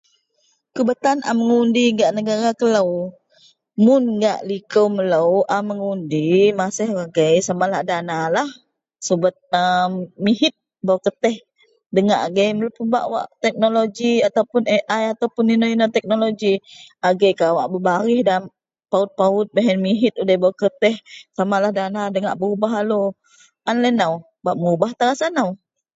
kubatan a mengundi gak negara kelou, mun gak likou melou a mengundi masih agei samalah a danalah subet tam, mehit baaw kertih, da ngak agei melou pebak wak teknologi ataupun Ai ataupun inou-inou teknologi, agei kawak berbarih da paut-paut baih ien mehit udei baaw kerteh samalah dana dangak berubah lalu, aan laie nou bak merubah tan rasa nou